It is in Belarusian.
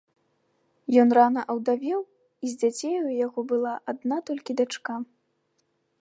Ён рана аўдавеў, і з дзяцей у яго была адна толькі дачка.